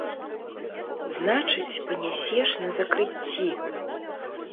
Значыць, панясеш на закрыцці!